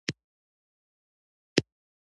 محمود خان هغه څوکۍ خالی کړې وه.